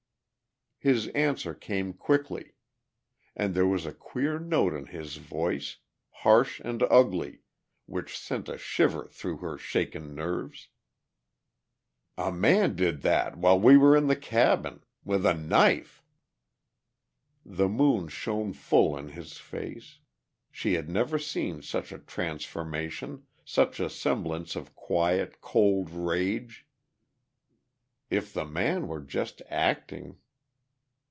His answer came quickly. And there was a queer note in his voice, harsh and ugly, which sent a shiver through her shaken nerves: "A man did that while we were in the cabin. With a knife." The moon shone full in his face; she had never seen such a transformation, such a semblance of quiet, cold rage. If the man were just acting....